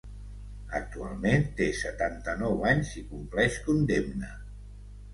Actualment té setanta-nou anys i compleix condemna.